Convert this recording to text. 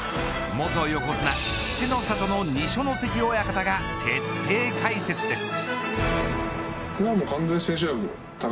元横綱、稀勢の里の二所ノ関親方が徹底解説です。